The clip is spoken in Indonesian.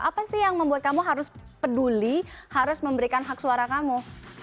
apa sih yang membuat kamu harus peduli harus memberikan hak suara kamu